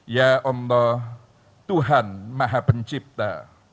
ya allah tuhan maha pencipta